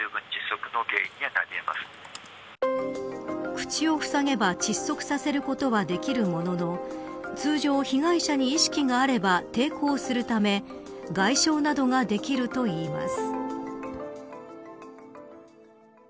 口をふさげば、窒息させることはできるものの通常、被害者に意識があれば抵抗するため外傷などができるといいます。